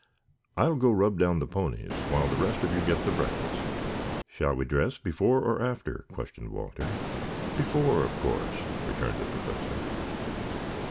"I'll go rub down the ponies while the rest of you get the breakfast." "Shall we dress before or after?" questioned Walter. "Before, of course," returned the Professor.